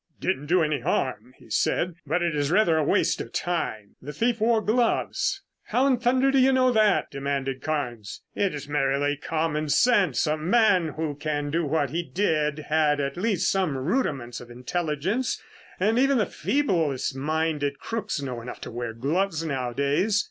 "It didn't do any harm," he said, "but it is rather a waste of time. The thief wore gloves." "How in thunder do you know that?" demanded Carnes. "It's merely common sense. A man who can do what he did had at least some rudiments of intelligence, and even the feeblest minded crooks know enough to wear gloves nowadays."